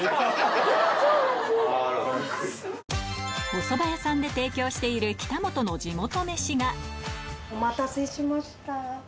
おそば屋さんで提供している北本の地元飯がお待たせしました。